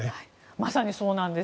まさにそうなんです。